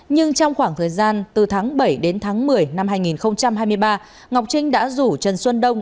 nhưng trong khoảng thời gian từ tháng bảy đến tháng một mươi năm hai nghìn hai mươi ba ngọc trinh đã rủ trần xuân đông